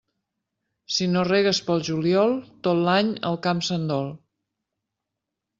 Si no regues pel juliol, tot l'any el camp se'n dol.